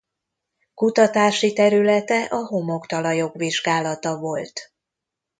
Kutatási területe a homoktalajok vizsgálata volt.